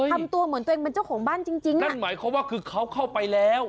ทำตัวเหมือนตัวเองเป็นเจ้าของบ้านจริงจริงนั่นหมายความว่าคือเขาเข้าไปแล้ว